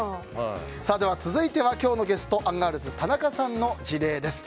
続いては、今日のゲストアンガールズ田中さんの事例です。